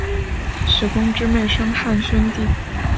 史恭之妹生汉宣帝。